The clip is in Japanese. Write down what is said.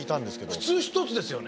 普通１つですよね。